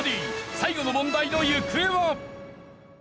最後の問題の行方は。